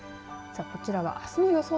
さあ、こちらはあすの予想